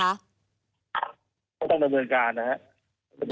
เขาดำเนินการนะครับ